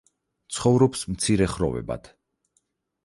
ცხოვრობს მცირე ხროვებად.